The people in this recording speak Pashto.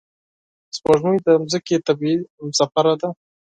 سپوږمۍ د ځمکې طبیعي همسفره ده